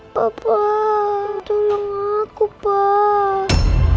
bapak tolong aku pak